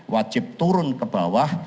wajib turun ke bawah